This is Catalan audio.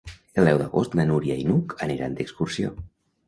El deu d'agost na Núria i n'Hug aniran d'excursió.